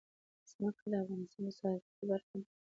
ځمکه د افغانستان د صادراتو برخه ده.